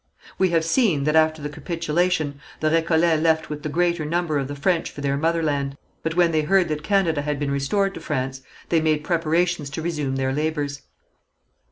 We have seen that after the capitulation, the Récollets left with the greater number of the French for their motherland, but when they heard that Canada had been restored to France, they made preparations to resume their labours.